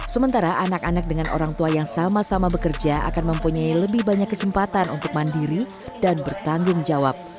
sementara anak anak dengan orang tua yang sama sama bekerja akan mempunyai lebih banyak kesempatan untuk mandiri dan bertanggung jawab